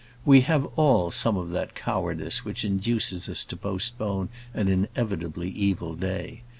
We have all some of that cowardice which induces us to postpone an inevitably evil day.